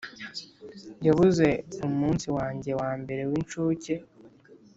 yabuze umunsi wanjye wambere w'incuke